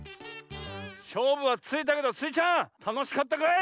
しょうぶはついたけどスイちゃんたのしかったかい？